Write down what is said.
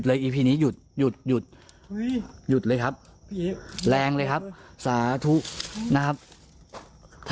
เฮ้ยเฮ้ยเฮ้ยเฮ้ยเฮ้ยเสียง